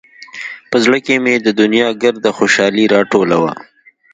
په زړه کښې مې د دونيا ګرده خوشالي راټوله وه.